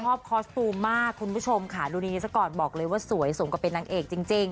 คอสตูมมากคุณผู้ชมค่ะดูนี้ซะก่อนบอกเลยว่าสวยสมกับเป็นนางเอกจริง